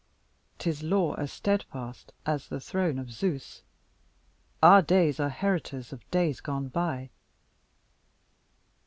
'Tis law as steadfast as the throne of Zeus Our days are heritors of days gone by.